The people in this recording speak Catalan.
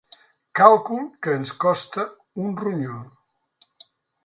Càlcul que ens costa un ronyó.